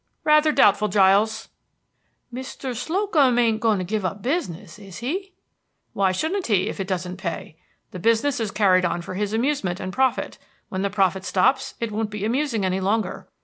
Richard. Rather doubtful, Giles. Giles. [Uneasily.] Mr. Slocum ain't goin' to give up business, is he? Richard. Why shouldn't he, if it doesn't pay? The business is carried on for his amusement and profit; when the profit stops it won't be amusing any longer.